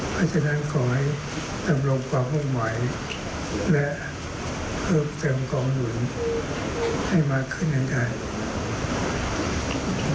เพราะฉะนั้นขอให้เต็มรมความห่วงใหม่และเพิ่งเต็มกองหนุนให้มาขึ้นให้ได้